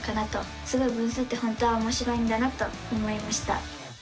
すごい分数って本当はおもしろいんだなと思いました！